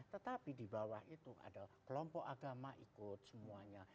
tetapi di bawah itu ada kelompok agama ikut semuanya